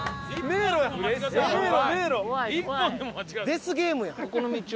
デスゲームや。